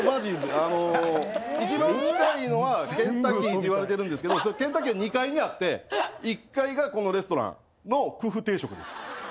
あの一番近いのはケンタッキーって言われてるんですけどケンタッキーは２階にあって１階がこのレストランのクフ定食です。